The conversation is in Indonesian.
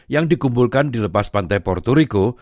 yang dikumpulkan di lepas pantai porto rico